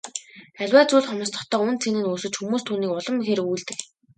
Аливаа зүйл хомсдохдоо үнэ цэн нь өсөж хүмүүс түүнийг улам ихээр үгүйлдэг.